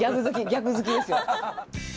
ギャグ好きですよ。